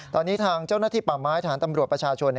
ตอนนี้ทางเจ้าหน้าที่ป่าไม้ฐานตำรวจประชาชน